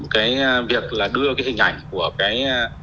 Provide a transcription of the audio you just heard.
cái việc là đưa cái hình ảnh của cái